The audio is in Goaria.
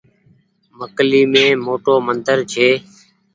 مڪلي مين موٽو مندر ڇي۔